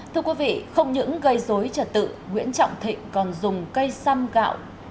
thưa quý vị không những gây dối trật tự nguyễn trọng thịnh còn dùng cây xăm gạo